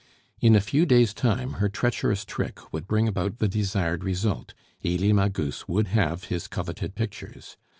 In a few days' time her treacherous trick would bring about the desired result Elie Magus would have his coveted pictures.